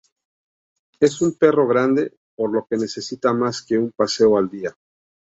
Es un perro grande, por lo que necesita más de un paseo al día.